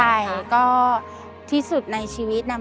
ใช่ก็ที่สุดในชีวิตนะ